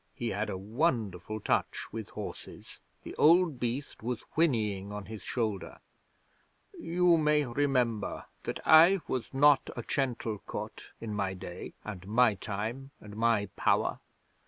He had a wonderful touch with horses. The old beast was whinnying on his shoulder. "You may remember that I was not a gentle God in my Day and my Time and my Power.